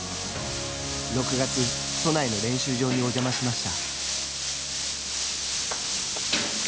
６月、都内の練習場にお邪魔しました。